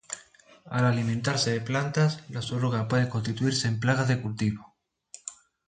Al alimentarse de plantas, las orugas pueden constituirse en plagas de cultivos.